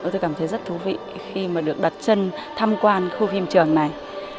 tôi cảm thấy rất thú vị khi mà được đặt chân tham quan khu phim trường này